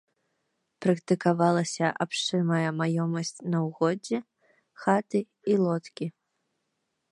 Практыкавалася абшчынная маёмасць на ўгоддзі, хаты і лодкі.